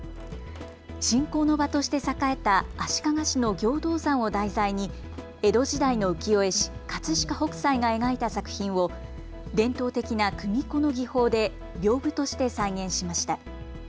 信仰の場として栄えた足利市の行道山を題材に江戸時代の浮世絵師、葛飾北斎が描いた作品を伝統的な組子の技法でびょうぶとして再現しました。